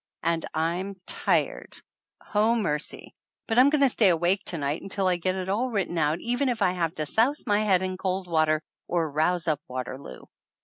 And I'm tired! Oh, mercy ! But I'm going to stay awake to night until I get it all written out even if I have to souse my head in cold water, or rouse up Water loo.